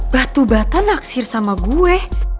batu bata naksir sama gue